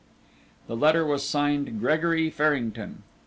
'" The letter was signed "Gregory Farrington."